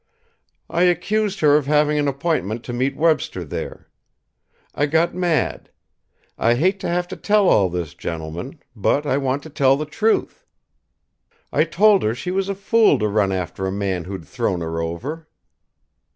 "I accused her of having an appointment to meet Webster there. I got mad. I hate to have to tell all this, gentlemen; but I want to tell the truth. I told her she was a fool to run after a man who'd thrown her over.